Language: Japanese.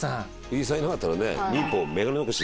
藤井さんいなかったらね。